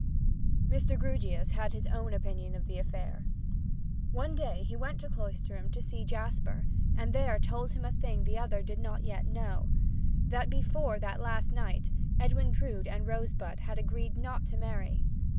Mr. Grewgious had his own opinion of the affair. One day he went to Cloisterham to see Jasper, and there told him a thing the other did not yet know that before that last night Edwin Drood and Rosebud had agreed not to marry.